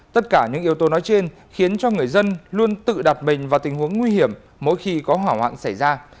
tất cả những yếu tố nói trên khiến cho người dân luôn tự đặt mình vào tình huống nguy hiểm mỗi khi có hỏa hoạn xảy ra